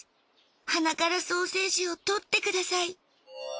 鼻からソーセージを取ってください。